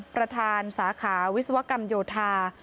ประธานสาขาวิศวกรรมโยธา